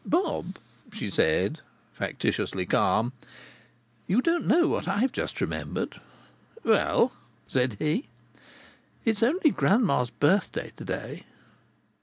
"Bob," she said, factitiously calm. "You don't know what I've just remembered!" "Well?" said he. "It's only grandma's birthday to day!"